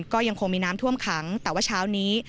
ก็ยังคงมีน้ำท่วมขังแต่ว่าเช้านี้